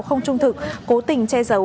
không trung thực cố tình che giấu